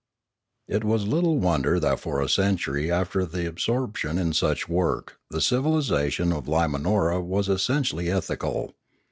It was little wonder that for a century after absorp tion in such work the civilisation of Limanora was es sentially ethical.